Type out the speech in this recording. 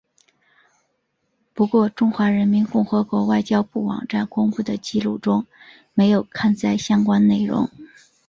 不过中华人民共和国外交部网站公布的记录中没有刊载相关内容。